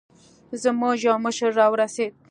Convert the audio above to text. زموږ يو مشر راورسېد.